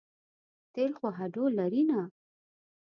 تېل خو هډو لري نه.